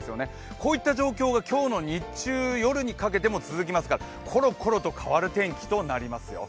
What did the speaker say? こういった状況が今日の日中夜にかけても続きますからコロコロと変わる天気となりますよ。